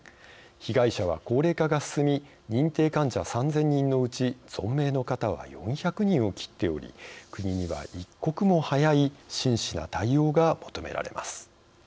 被害者は高齢化が進み認定患者３０００人のうち存命の方は４００人を切っており国には一刻も早い真摯な対応が求められます。